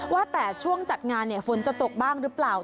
ว่าแต่ช่วงจัดงานฝนจะตกบ้างหรือเปล่า